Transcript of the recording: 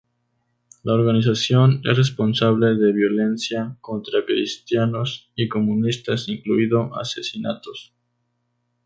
La organización es responsable de violencia contra cristianos y comunistas, incluido asesinatos.